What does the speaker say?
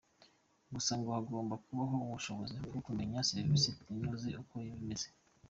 Gusa ngo hagomba kubaho ubushobozi bwo kumenya serivisi itanoze uko iba imeze.